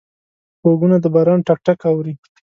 غوږونه د باران ټک ټک اوري